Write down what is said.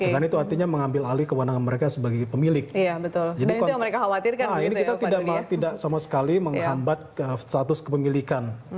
dan itu artinya mengambil alih kewanangan mereka sebagai pemilik